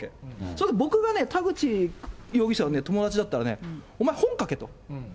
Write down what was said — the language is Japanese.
それで僕が田口容疑者の友達だったらね、お前、本書けと。